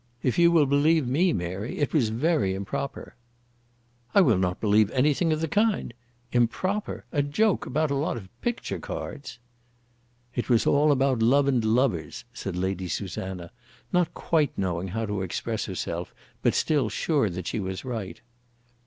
If you will believe me, Mary, it was very improper." "I will not believe anything of the kind. Improper! a joke about a lot of picture cards!" "It was all about love and lovers," said Lady Susanna, not quite knowing how to express herself, but still sure that she was right.